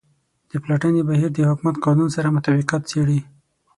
د پلټنې بهیر د حکومت قانون سره مطابقت څیړي.